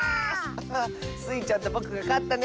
スイちゃんとぼくがかったね！